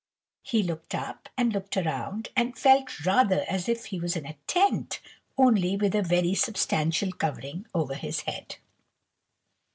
He looked up, and looked round, and felt rather as if he was in a tent, only with a very substantial covering over his head.